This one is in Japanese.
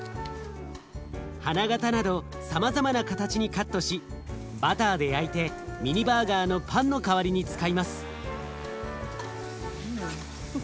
花形などさまざまな形にカットしバターで焼いてミニバーガーのパンの代わりに使います。